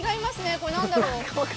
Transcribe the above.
これ、何だろう。